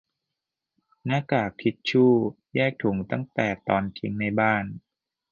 - หน้ากาก ทิชชู แยกถุงตั้งแต่ตอนทิ้งในบ้าน